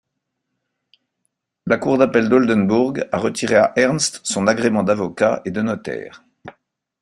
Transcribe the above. La Cour d'appel d'Oldenburg a retiré à Ernst son agrément d'avocat et de notaire.